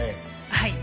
はい。